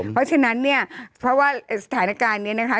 เพราะฉะนั้นเนี่ยเพราะว่าสถานการณ์นี้นะคะ